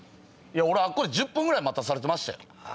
俺あっこで１０分ぐらい待たされてましたよ。